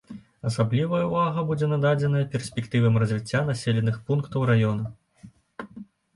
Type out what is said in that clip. Асаблівая ўвага будзе нададзеная перспектывам развіцця населеных пунктаў раёна.